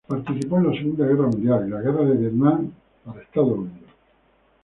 Participó en la Segunda Guerra Mundial y la Guerra de Vietnam para Estados Unidos.